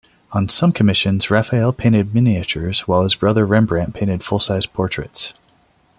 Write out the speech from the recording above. On some commissions, Raphaelle painted miniatures while his brother, Rembrandt, painted full-size portraits.